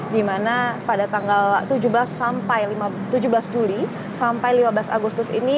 dimana pada tanggal tujuh belas juli sampai lima belas agustus ini